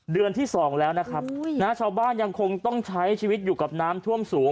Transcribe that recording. ที่สองแล้วนะครับชาวบ้านยังคงต้องใช้ชีวิตอยู่กับน้ำท่วมสูง